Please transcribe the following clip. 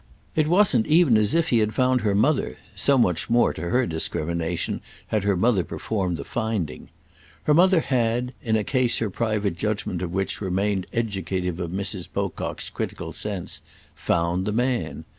It wasn't even as if he had found her mother—so much more, to her discrimination, had her mother performed the finding. Her mother had, in a case her private judgement of which remained educative of Mrs. Pocock's critical sense, found the man.